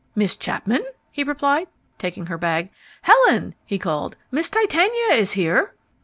"Miss Chapman?" he replied, taking her bag. "Helen!" he called. "Miss Titania is here."